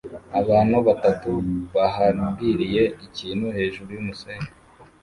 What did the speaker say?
Abantu batatu bahambiriye ikintu hejuru yumusenyi